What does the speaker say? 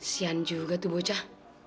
sian juga tuh bocah